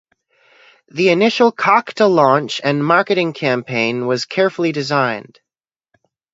The initial Cockta launch and marketing campaign was carefully designed.